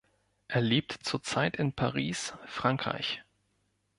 Er lebt zurzeit in Paris, Frankreich.